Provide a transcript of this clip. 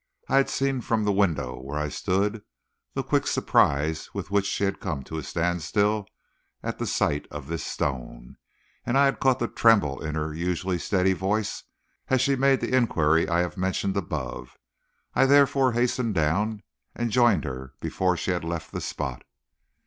I had seen from the window where I stood the quick surprise with which she had come to a standstill at the sight of this stone, and I had caught the tremble in her usually steady voice as she made the inquiry I have mentioned above. I therefore hastened down and joined her before she had left the spot.